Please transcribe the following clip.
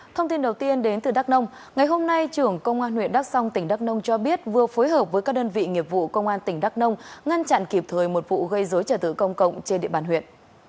thông tin đầu tiên đến từ đắk nông ngày hôm nay trưởng công an huyện đắk song tỉnh đắk nông cho biết vừa phối hợp với các đơn vị nghiệp vụ công an tỉnh đắk nông ngăn chặn kịp thời một vụ gây dối trả tử công cộng trên địa bàn huyện